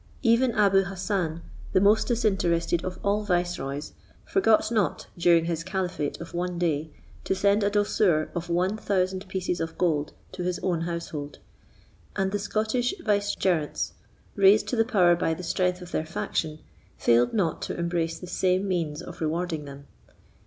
Even Abou Hassan, the most disinterested of all viceroys, forgot not, during his caliphate of one day, to send a douceur of one thousand pieces of gold to his own household; and the Scottish vicegerents, raised to power by the strength of their faction, failed not to embrace the same means of rewarding them.